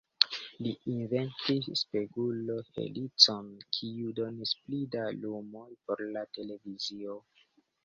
Li inventis spegulo-helicon, kiu donis pli da lumoj por la televizio.